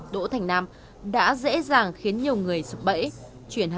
đỗ thành nam đã dễ dàng khiến nhiều người sập bẫy